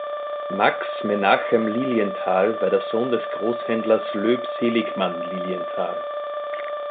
Max Menachem Lilienthal war der Sohn des Großhändlers Löb Seligmann Lilienthal.